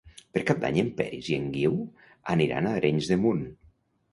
Per Cap d'Any en Peris i en Guiu aniran a Arenys de Munt.